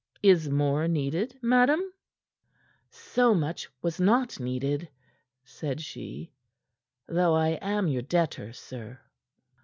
Is more needed, madame?" "So much was not needed," said she, "though I am your debtor, sir."